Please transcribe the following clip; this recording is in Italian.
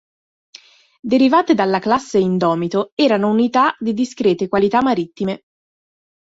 Derivate dalla classe Indomito, erano unità di discrete qualità marittime.